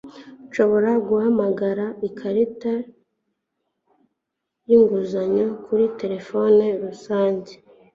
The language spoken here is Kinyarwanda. Nshobora guhamagara ikarita yinguzanyo kuri terefone rusange?